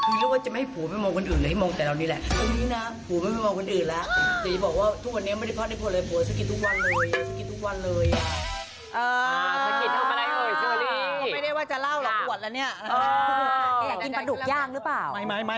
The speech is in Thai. แกจะหวังกินประดุกย่างรึเปล่า